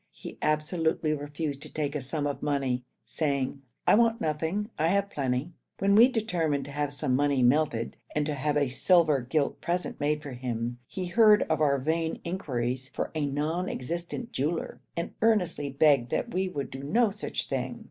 He absolutely refused to take a sum of money, saying, 'I want nothing, I have plenty.' When we determined to have some money melted and to have a silver gilt present made for him, he heard of our vain inquiries for a non existent jeweller, and earnestly begged that we would do no such thing.